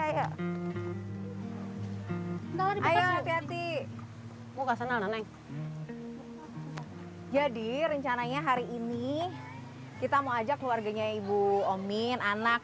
hai ayo hati hati mau ke sana neng jadi rencananya hari ini kita mau ajak keluarganya ibu omin anak